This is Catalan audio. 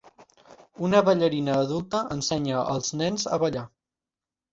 Una ballarina adulta ensenya als nens a ballar.